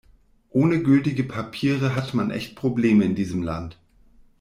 Ohne gültige Papiere hat man echt Probleme in diesem Land.